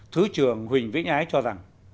thứ trưởng huỳnh vĩnh ái cho rằng